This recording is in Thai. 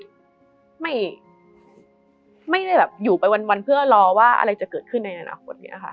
ชีวิตไม่ได้อยู่ไปวันเพื่อรอว่าอะไรจะเกิดขึ้นในอนาคต